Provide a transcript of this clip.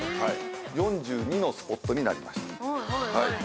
４２のスポットになりました。